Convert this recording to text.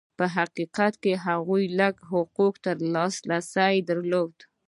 په حقیقت کې هغوی لږو حقوقو ته لاسرسی درلود.